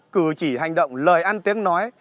cử chỉ hành động lời ăn tiếng nói